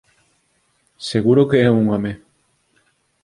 “Seguro que é un home”.